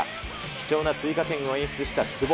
貴重な追加点を演出した久保。